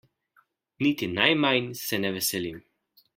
Niti najmanj se ne veselim.